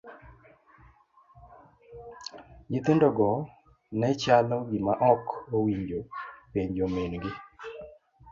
Nyithindo go nechalo gima ok owinjo penjo min gi.